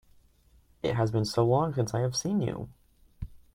It has been so long since I have seen you!